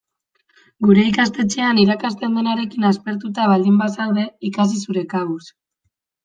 Gure ikastetxean irakasten denarekin aspertuta baldin bazaude, ikasi zure kabuz.